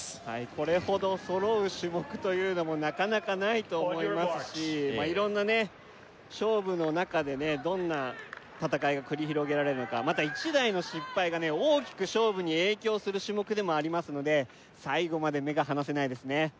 これほど揃う種目というのもなかなかないと思いますし色んな勝負の中でどんな戦いが繰り広げられるのかまた１台の失敗が大きく勝負に影響する種目でもありますので最後まで目が離せないですね